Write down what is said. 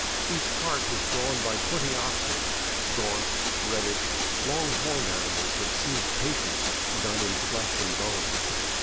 Each cart was drawn by twenty oxen, gaunt, reddish, long horned animals that seemed Patience done in flesh and bone.